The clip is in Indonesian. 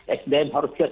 ekdem harus siap